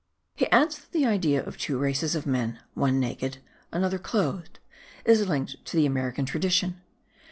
He adds that the idea of two races of men, one naked, another clothed, is linked to the American tradition.